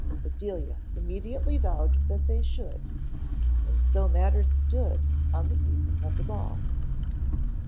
Bedelia immediately vowed that they should, and so matters stood on the evening of the ball.